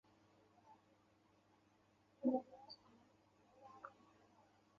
这些牧民现已迁离吉尔森林国家公园。